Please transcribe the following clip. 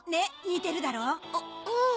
似てるだろ？あうん。